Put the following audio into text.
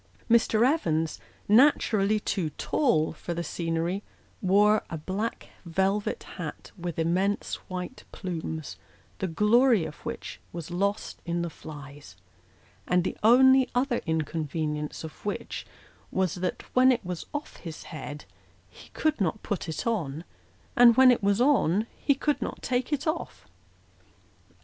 Mr. Evans, naturally too tall for the scenery, wore a black velvet hat with immense white plumes, the glory of which was lost in " the flies ;" and the only other inconvenience of which was, that when it was off his head he could not put it on, and when it was on he could not take 326 Sketches by Boz. it off.